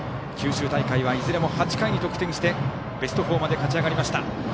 九州大会はいずれも８回に得点してベスト４まで勝ち上がりました。